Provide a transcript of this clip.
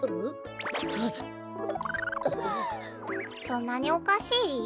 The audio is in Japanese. そんなにおかしい？